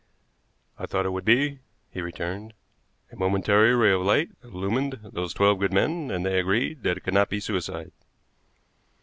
"I thought it would be," he returned. "A momentary ray of light illumined those twelve good men, and they agreed that it could not be suicide."